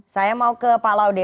saya mau ke pak laude